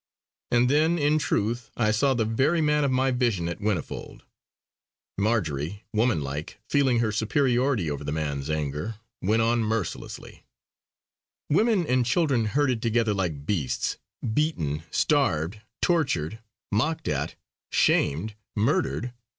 And then in truth I saw the very man of my vision at Whinnyfold. Marjory, womanlike, feeling her superiority over the man's anger, went on mercilessly: "Women and children herded together like beasts; beaten, starved, tortured, mocked at, shamed, murdered!